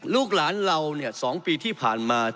ลูกหลานเราเนี่ย๒ปีที่ผ่านมา